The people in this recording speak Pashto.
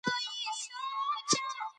د غاښونو برس کول د خولې روغتیا ساتي.